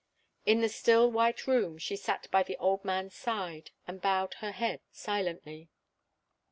In the still, white room she sat by the old man's side and bowed her head silently.